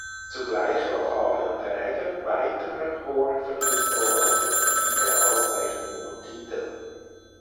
Zugleich war Fabian Träger weiterer hoher Verdienstorden (siehe Auszeichnungen und Titel).